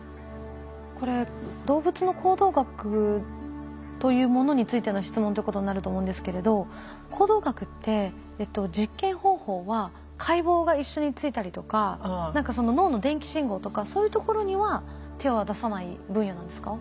これ動物の行動学というものについての質問ということになると思うんですけれど行動学って実験方法は解剖が一緒についたりとか何かその脳の電気信号とかそういうところには手は出さない分野なんですか？